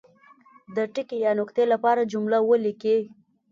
د ټکي یا نقطې لپاره جمله ولیکي.